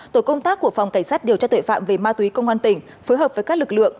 tổ công tác của phòng cảnh sát điều tra tuệ phạm về ma túy công an tỉnh phối hợp với các lực lượng